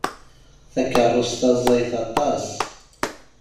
Takeṛṛust-a ẓẓayet aṭas.